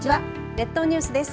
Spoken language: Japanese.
列島ニュースです。